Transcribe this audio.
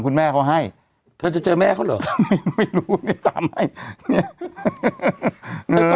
คุณแม่เขาให้เธอจะเจอแม่เขาเหรอไม่รู้ไม่ตามให้เนี่ย